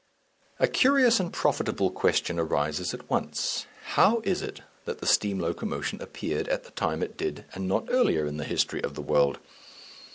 A curious and profitable question arises at once. How is it that the steam locomotive appeared at the time it did, and not earlier in the history of the world?